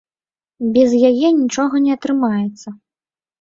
Без яе нічога не атрымаецца.